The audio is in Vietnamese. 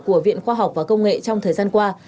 của viện khoa học và công nghệ trong thời gian qua